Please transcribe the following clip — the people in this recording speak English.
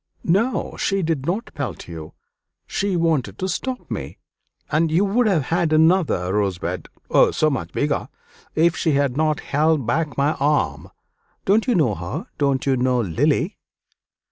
"No, she did not pelt you; she wanted to stop me, and you would have had another rosebud oh, so much bigger! if she had not held back my arm. Don't you know her don't you know Lily?"